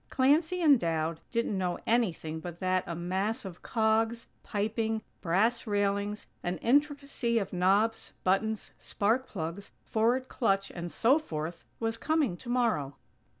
Clancy and Dowd didn't know anything but that a mass of cogs, piping, brass railings, an intricacy of knobs, buttons, spark plugs, forward clutch and so forth was coming tomorrow.